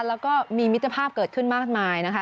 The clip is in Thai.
แล้วก็มีมิตรภาพเกิดขึ้นมากมายนะคะ